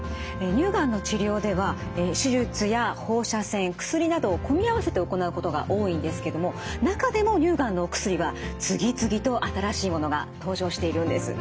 乳がんの治療では手術や放射線薬などを組み合わせて行うことが多いんですけども中でも乳がんのお薬は次々と新しいものが登場しているんです。